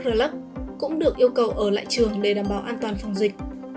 rơ lấp cũng được yêu cầu ở lại trường để đảm bảo an toàn phòng dịch